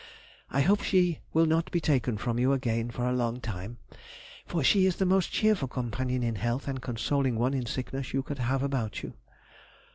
I hope she will not be taken from you again for a long time, for she is the most cheerful companion in health and consoling one in sickness you could have about you.